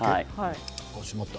しまった。